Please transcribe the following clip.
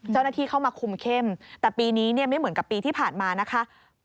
เจ้าหน้าที่เข้ามาคุมเข้มแต่ปีนี้เนี่ยไม่เหมือนกับปีที่ผ่านมานะคะ